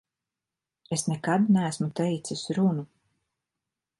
Es nekad neesmu teicis runu.